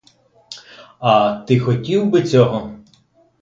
А-а, ти хотів би цього?